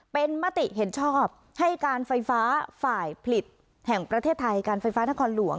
เป็นมติเห็นชอบให้การไฟฟ้าฝ่ายผลิตแห่งประเทศไทยการไฟฟ้านครหลวง